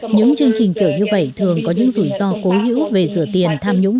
những chương trình kiểu như vậy thường có những rủi ro cố hữu về rửa tiền